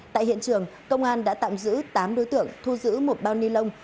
tại hiện trường công an đã tạm giữ tám đối tượng thu giữ một bao ni lông